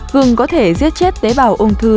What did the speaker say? gừng có thể giết chết tế bào ung thư